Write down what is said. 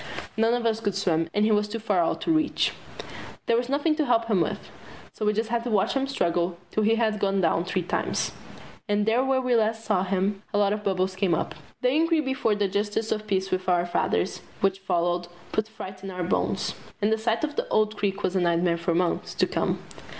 None of us could swim, and he was too far out to reach. There was nothing to help him with, so we just had to watch him struggle till he had gone down three times. And there where we last saw him a lot of bubbles came up. The inquiry before the Justice of Peace with our fathers, which followed, put fright in our bones, and the sight of the old creek was a nightmare for months to come.